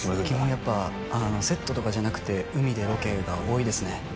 基本やっぱセットとかじゃなくて海でロケが多いですね